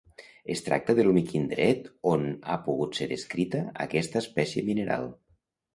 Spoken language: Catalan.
Es tracta de l'únic indret on ha pogut ser descrita aquesta espècie mineral.